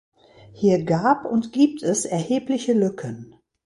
Hier gab und gibt es erhebliche Lücken.